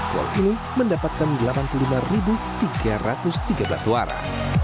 gol ini mendapatkan delapan puluh lima tiga ratus tiga belas suara